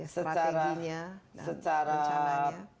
strateginya dan rencananya